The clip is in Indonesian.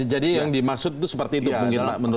jadi yang dimaksud itu seperti itu